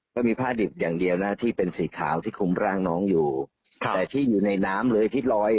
ก็มีผ้าดิบอย่างเดียวนะที่เป็นสีขาวที่คุมร่างน้องอยู่แต่ที่อยู่ในน้ำเลยที่ลอย